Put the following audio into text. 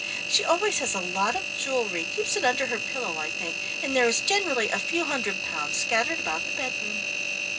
She always has a lot of jewellery keeps it under her pillow I think, and there is generally a few hundred pounds scattered about the bedroom.